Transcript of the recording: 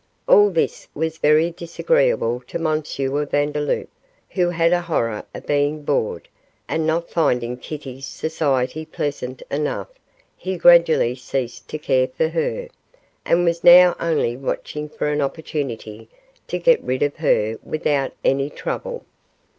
All this was very disagreeable to M. Vandeloup, who had a horror of being bored, and not finding Kitty's society pleasant enough, he gradually ceased to care for her, and was now only watching for an opportunity to get rid of her without any trouble.